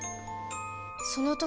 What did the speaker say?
その時